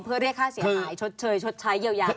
เพื่อเรียกฆ่าเสียหายชดเชยชดใช้เยอะแยะ